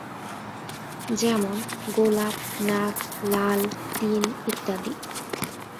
যেমনঃ গোলাপ, নাক, লাল, তিন, ইত্যাদি।